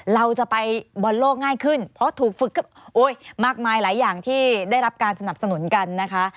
เราจะไปบอลโลกง่ายขึ้นเพราะถูกฝึกมากมายหลายอย่างที่ได้รับการสนับสนุนกันนะคะ